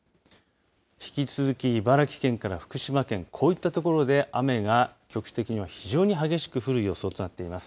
引き続き、茨城県から福島県こういったところで雨が局地的に非常に激しく降る予想となっています。